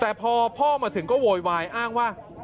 แต่พอพ่อมาถึงก็โวยวายอ้างว่า